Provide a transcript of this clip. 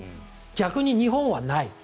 逆に日本はない。